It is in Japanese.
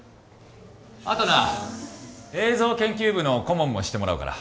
あとな映像研究部の顧問もしてもらうから。